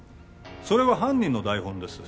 それは犯人の台本です